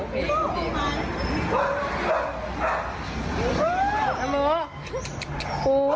เป็นใจดีครับคุณนะ